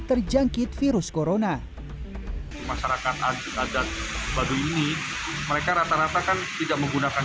terjangkit virus corona masyarakat adat adat baduy ini mereka rata rata kan tidak menggunakan